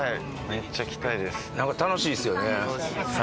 めっちゃ来たいです。